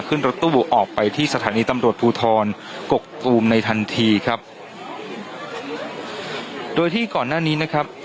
ขึ้นรถตู้ออกไปที่สถานีตำรวจภูทรกกตูมในทันทีครับโดยที่ก่อนหน้านี้นะครับ